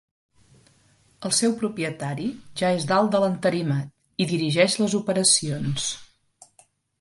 El seu propietari ja és dalt de l'entarimat i dirigeix les operacions.